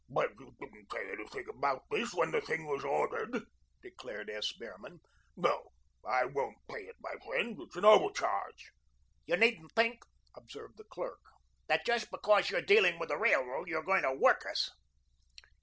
"But you didn't say anything about this when the thing was ordered," declared S. Behrman. "No, I won't pay it, my friend. It's an overcharge." "You needn't think," observed the clerk, "that just because you are dealing with the Railroad you are going to work us."